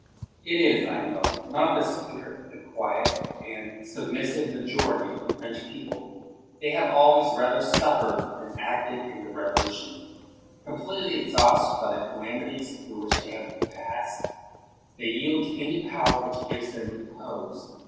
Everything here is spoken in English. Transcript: It is, I know, not the spirit of the quiet and 9?, THE WORLD'S FAMOUS ORATIONS submissive majority of the French people. They have always rather suffered than acted in the Revolution. Completely exhausted by the calam ities through which they have passed, they yield to any power which gives them repose.